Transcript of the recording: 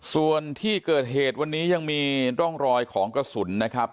ส่วนที่เกิดเหตุวันนี้ยังมีร่องรอยของกระสุนนะครับ